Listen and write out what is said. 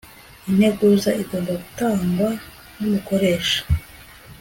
integuza igomba gutangwa n umukoresha